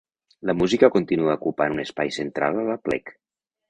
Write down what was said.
La música continua ocupant un espai central a l’aplec.